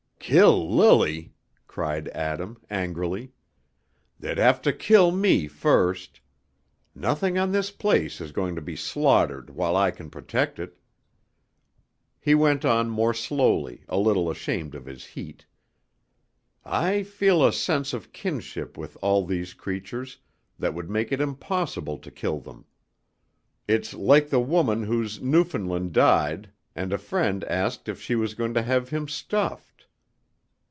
"Kill Lily," cried Adam, angrily. "They'd have me to kill first; nothing on this place is going to be slaughtered while I can protect it." He went on more slowly, a little ashamed of his heat, "I feel a sense of kinship with all these creatures that would make it impossible to kill them. It's like the woman whose Newfoundland died, and a friend asked if she was going to have him stuffed.